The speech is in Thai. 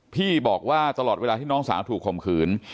พี่บอกว่าตลอดเวลาที่น้องสาวถูกข่มขืน